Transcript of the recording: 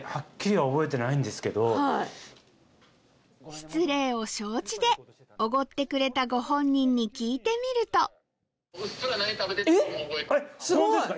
失礼を承知でおごってくれたご本人に聞いてみるとホントですか？